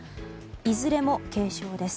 いずれも軽傷です。